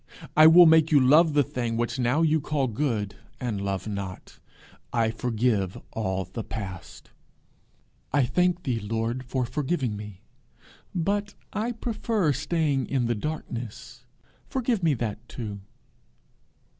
I will make you love the thing which now you call good and love not. I forgive all the past.' 'I thank thee, Lord, for forgiving me, but I prefer staying in the darkness: forgive me that too.'